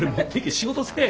仕事せえ。